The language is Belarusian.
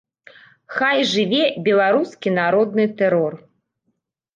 Хай жыве беларускі народны тэрор!